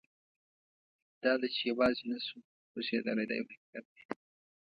دا ده چې یوازې نه شو اوسېدلی دا یو حقیقت دی.